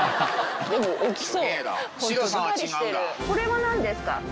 これは何ですか？